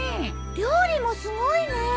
料理もすごいね。